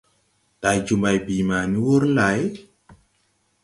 Ndày jo mbày bii ma ni wur lay ?